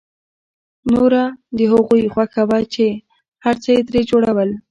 نوره د هغوی خوښه وه چې هر څه يې ترې جوړول.